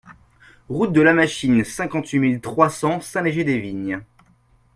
Route de la Machine, cinquante-huit mille trois cents Saint-Léger-des-Vignes